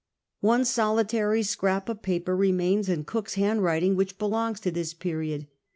One solitary scrap of paper re mains in Cook's handwriting which belongs to this period.